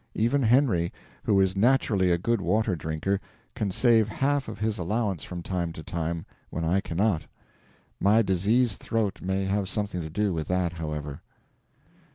Even Henry, who is naturally a good water drinker, can save half of his allowance from time to time, when I cannot. My diseased throat may have something to do with that, however.